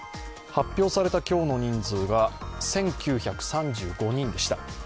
発表された今日の人数が１９３５人でした。